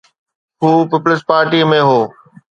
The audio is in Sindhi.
هو پيپلز پارٽيءَ ۾ هو.